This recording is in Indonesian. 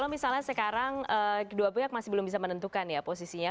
misalnya sekarang kedua pihak masih belum bisa menentukan ya posisinya